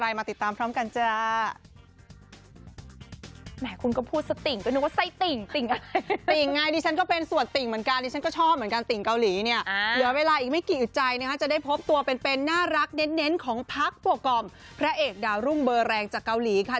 สบูรณ์ของมีมาเรียกเสียงกรี๊ดเป็นการอุ่นเขรื่องจัดมา